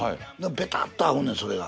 ペタッと合うねんそれが。